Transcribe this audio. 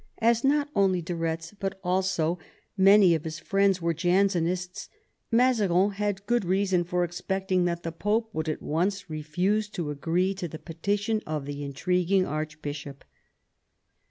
As not only de Retz but also many of his friends were Jansenists, Mazarin had good reason for expecting that the Pope would at once refuse to agree to the petition of the intriguing archbishop.